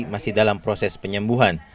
masih dalam proses penyembuhan